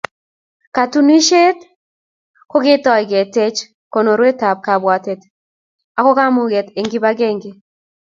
Katunisyet ko ketoi ketech konorweetab kabwatet ako komong'unet eng kibagenge.